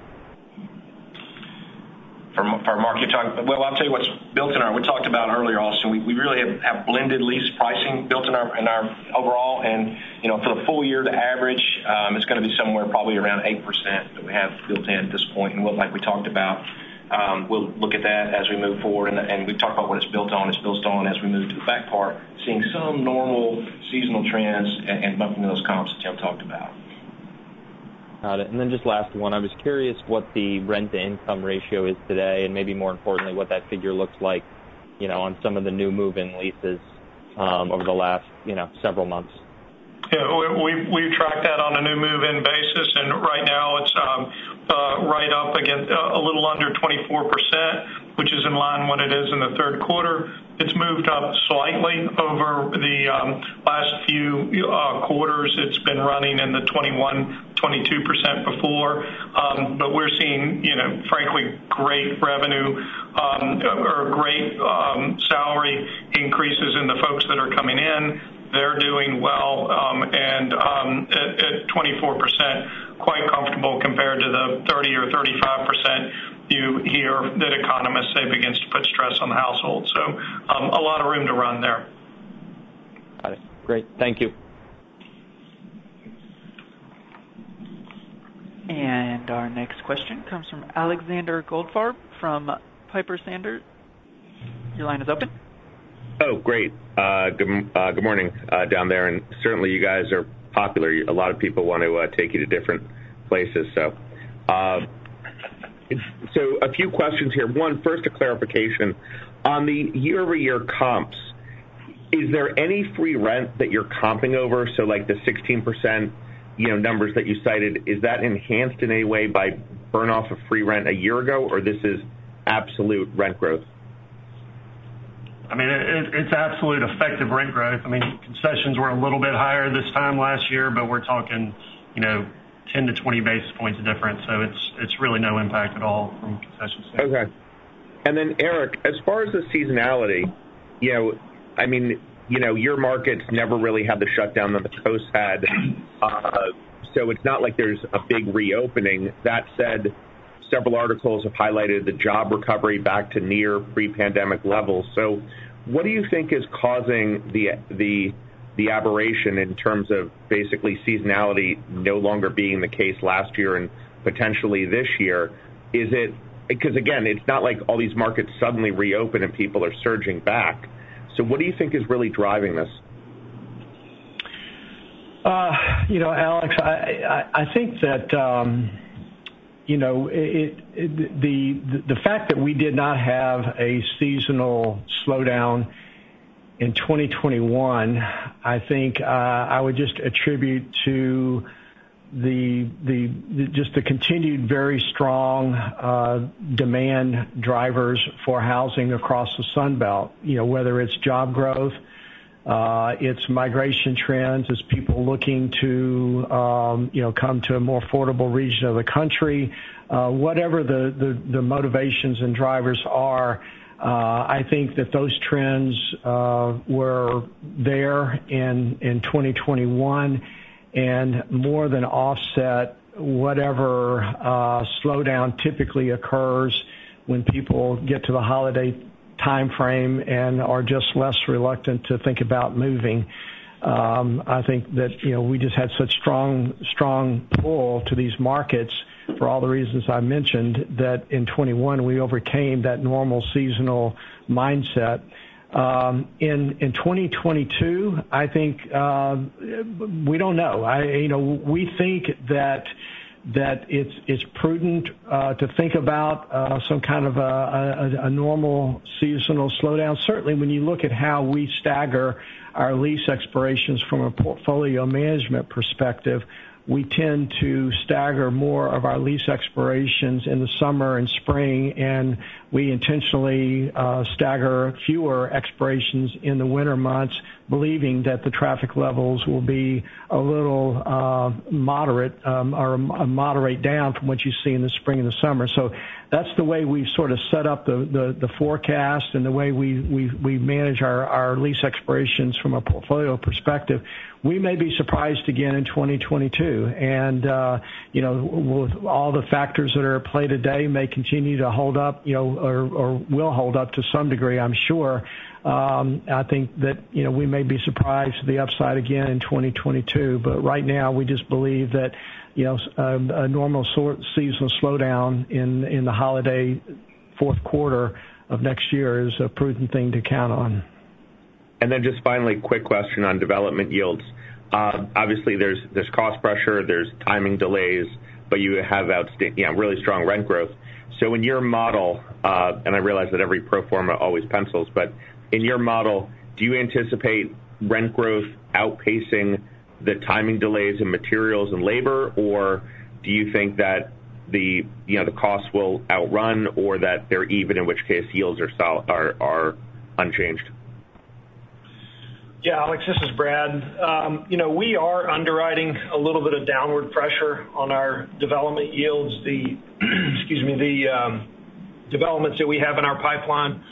Well, I'll tell you what's built in our. We talked about earlier, Austin, we really have blended lease pricing built in our overall. You know, for the full year, the average is gonna be somewhere probably around 8% that we have built in at this point. What, like we talked about, we'll look at that as we move forward, and we've talked about what it's built on. It's built on as we move to the back part, seeing some normal seasonal trends and bumping those comps that Tim talked about. Got it. Just last one. I was curious what the rent-to-income ratio is today, and maybe more importantly, what that figure looks like, you know, on some of the new move-in leases, over the last, you know, several months? Yeah. We track that on a new ,Move-in basis, and right now it's right up against a little under 24%, which is in line what it is in the third quarter. It's moved up slightly over the last few quarters. It's been running in the 21%-22% before. But we're seeing, you know, frankly, great revenue or great salary increases in the folks that are coming in. They're doing well, and at 24%, quite comfortable compared to the 30% or 35% you hear that economists say begins to put stress on the household. A lot of room to run there. Got it. Great. Thank you. Our next question comes from Alexander Goldfarb from Piper Sandler. Your line is open. Oh, great. Good morning down there. Certainly, you guys are popular. A lot of people want to take you to different places. A few questions here. One, first a clarification. On the year-over-year comps, is there any free rent that you're comping over? So like the 16%, you know, numbers that you cited, is that enhanced in any way by burn off of free rent a year ago, or this is absolute rent growth? I mean, it's absolute effective rent growth. I mean, concessions were a little bit higher this time last year, but we're talking, you know, 10-20 basis points of difference, so it's really no impact at all from a concession standpoint. Okay. Eric, as far as the seasonality, you know, I mean, you know, your markets never really had the shutdown that the coast had. It's not like there's a big reopening. That said, several articles have highlighted the job recovery back to near pre-pandemic levels. What do you think is causing the aberration in terms of basically seasonality no longer being the case last year and potentially this year? Is it? Because again, it's not like all these markets suddenly reopen and people are surging back. What do you think is really driving this? You know, Alex, I think that you know, the fact that we did not have a seasonal slowdown in 2021, I think I would just attribute to the continued very strong demand drivers for housing across the Sunbelt. You know, whether it's job growth, it's migration trends, it's people looking to you know, come to a more affordable region of the country. Whatever the motivations and drivers are, I think that those trends were there in 2021 and more than offset whatever slowdown typically occurs when people get to the holiday timeframe and are just less reluctant to think about moving. I think that, you know, we just had such strong pull to these markets for all the reasons I mentioned that in 2021 we overcame that normal seasonal mindset. In 2022, I think, we don't know. You know, we think that it's prudent to think about some kind of a normal seasonal slowdown. Certainly, when you look at how we stagger our lease expirations from a portfolio management perspective, we tend to stagger more of our lease expirations in the summer and spring, and we intentionally stagger fewer expirations in the winter months, believing that the traffic levels will be a little moderate, or a moderate down from what you see in the spring and the summer. That's the way we sort of set up the forecast and the way we manage our lease expirations from a portfolio perspective. We may be surprised again in 2022. With all the factors that are at play today may continue to hold up, you know, or will hold up to some degree, I'm sure. I think that, you know, we may be surprised at the upside again in 2022. Right now, we just believe that, you know, a normal seasonal slowdown in the holiday fourth quarter of next year is a prudent thing to count on. Just finally, quick question on development yields. Obviously, there's cost pressure, there's timing delays, but you have you know, really strong rent growth. I realize that every pro forma always pencils, but in your model, do you anticipate rent growth outpacing the timing delays in materials and labor? Or do you think that the, you know, the costs will outrun or that they're even, in which case yields are are unchanged? Yeah. Alex, this is Brad. You know, we are underwriting a little bit of downward pressure on our development yields. The developments that we have in our pipeline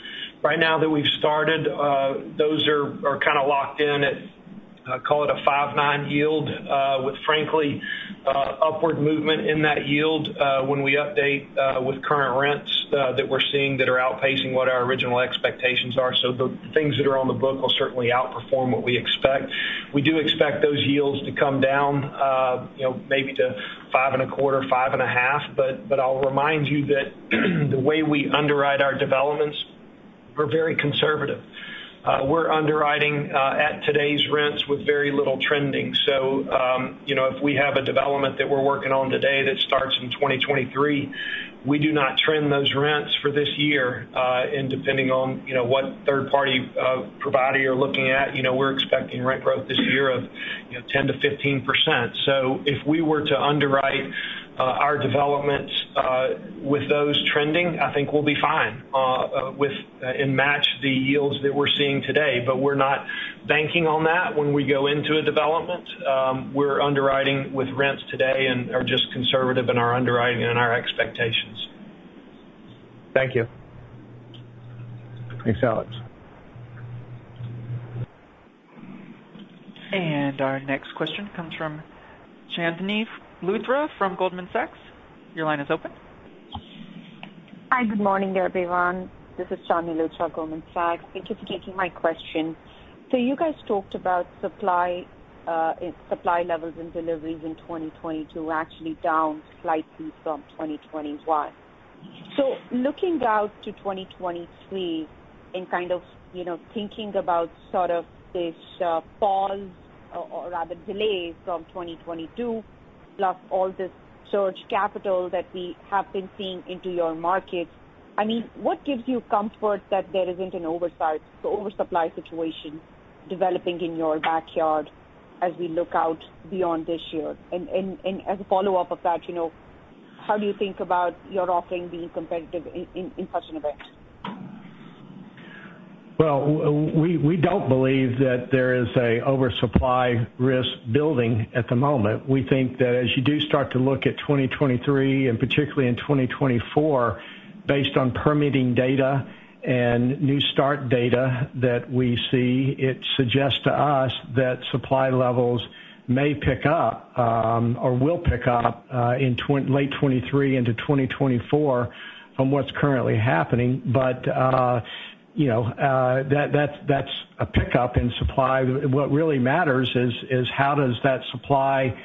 right now that we've started, those are kind of locked in at, call it a 5.9 yield, with frankly, upward movement in that yield, when we update, with current rents, that we're seeing that are outpacing what our original expectations are. The things that are on the book will certainly outperform what we expect. We do expect those yields to come down, you know, maybe to 5.25/5.5. I'll remind you that the way we underwrite our developments, we're very conservative. We're underwriting at today's rents with very little trending. You know, if we have a development that we're working on today that starts in 2023, we do not trend those rents for this year, and depending on, you know, what third party provider you're looking at. You know, we're expecting rent growth this year of, you know, 10%-15%. If we were to underwrite our developments with those trending, I think we'll be fine and match the yields that we're seeing today. We're not banking on that when we go into a development. We're underwriting with rents today and are just conservative in our underwriting and our expectations. Thank you. Thanks, Alex. Our next question comes from Chandni Luthra from Goldman Sachs. Your line is open. Hi, good morning to everyone. This is Chandni Luthra, Goldman Sachs. Thank you for taking my question. You guys talked about supply levels and deliveries in 2022 actually down slightly from 2021. Looking out to 2023 and kind of, you know, thinking about sort of this pause or rather delay from 2022, plus all this surge capital that we have been seeing into your markets. I mean, what gives you comfort that there isn't an oversupply situation developing in your backyard as we look out beyond this year? As a follow-up of that, you know, how do you think about your offering being competitive in such an event? Well, we don't believe that there is an oversupply risk building at the moment. We think that as you do start to look at 2023, and particularly in 2024, based on permitting data and new start data that we see, it suggests to us that supply levels may pick up, or will pick up, in late 2023 into 2024 from what's currently happening. You know, that's a pickup in supply. What really matters is how does that supply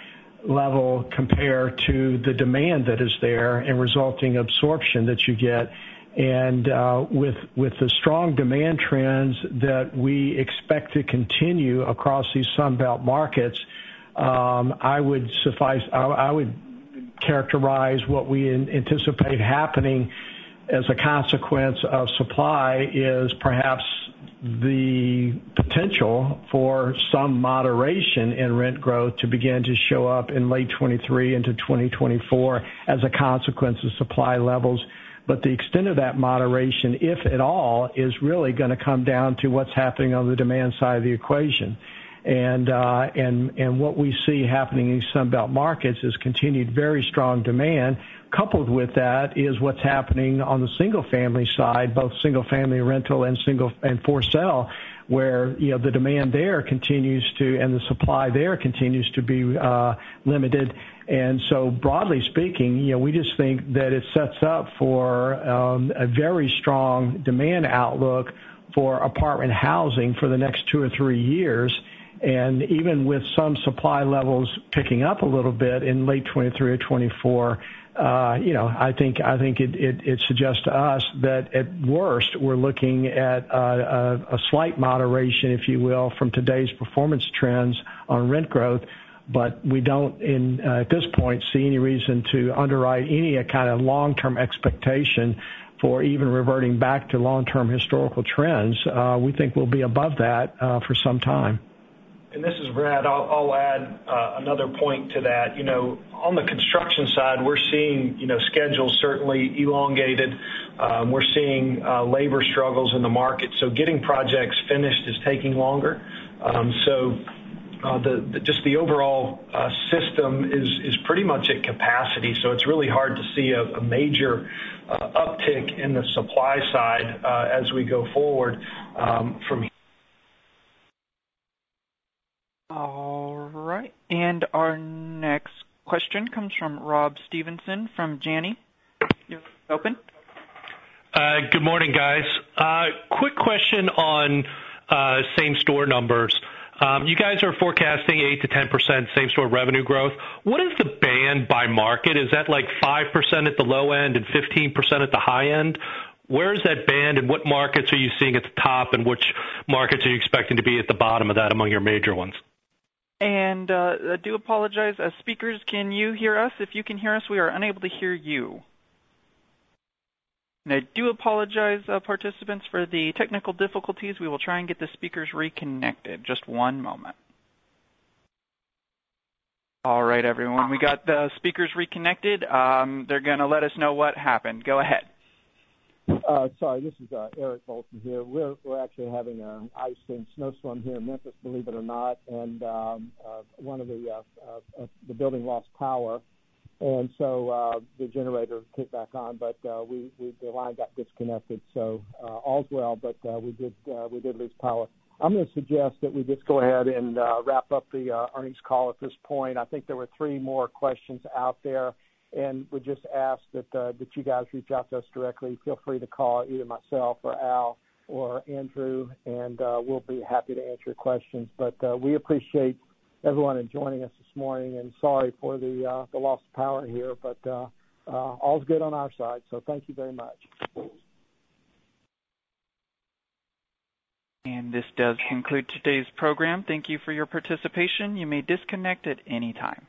level compare to the demand that is there and resulting absorption that you get. With the strong demand trends that we expect to continue across these Sunbelt markets, I would characterize what we anticipate happening as a consequence of supply is perhaps the potential for some moderation in rent growth to begin to show up in late 2023 into 2024 as a consequence of supply levels. But the extent of that moderation, if at all, is really gonna come down to what's happening on the demand side of the equation. What we see happening in these Sunbelt markets is continued very strong demand. Coupled with that is what's happening on the single family side, both single family rental and for sale, where, you know, the demand there continues to, and the supply there continues to be limited. Broadly speaking, you know, we just think that it sets up for a very strong demand outlook for apartment housing for the next two or three years. Even with some supply levels picking up a little bit in late 2023 or 2024, you know, I think it suggests to us that at worst, we're looking at a slight moderation, if you will, from today's performance trends on rent growth. But at this point, we don't see any reason to underwrite any kind of long-term expectation for even reverting back to long-term historical trends. We think we'll be above that for some time. This is Brad. I'll add another point to that. You know, on the construction side, we're seeing you know schedules certainly elongated. We're seeing labor struggles in the market. Getting projects finished is taking longer. Just the overall system is pretty much at capacity, so it's really hard to see a major uptick in the supply side as we go forward from here. All right. Our next question comes from Rob Stevenson from Janney. You're open. Good morning, guys. Quick question on same-store numbers. You guys are forecasting 8%-10% same-store revenue growth. What is the band by market? Is that like 5% at the low end and 15% at the high end? Where is that band, and what markets are you seeing at the top, and which markets are you expecting to be at the bottom of that among your major ones? I do apologize. Speakers, can you hear us? If you can hear us, we are unable to hear you. I do apologize, participants, for the technical difficulties. We will try and get the speakers reconnected. Just one moment. All right, everyone, we got the speakers reconnected. They're gonna let us know what happened. Go ahead. Sorry, this is Eric Bolton here. We're actually having an ice and snowstorm here in Memphis, believe it or not, and the building lost power. The generator kicked back on, but the line got disconnected. All's well, but we did lose power. I'm gonna suggest that we just go ahead and wrap up the earnings call at this point. I think there were three more questions out there, and we just ask that you guys reach out to us directly. Feel free to call either myself or Al or Andrew, and we'll be happy to answer your questions. We appreciate everyone in joining us this morning, and sorry for the loss of power here, but all's good on our side. Thank you very much. This does conclude today's program. Thank you for your participation. You may disconnect at any time.